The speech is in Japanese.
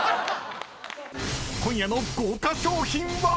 ［今夜の豪華賞品は⁉］